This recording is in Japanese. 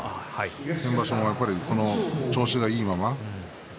先場所の調子のいいまま。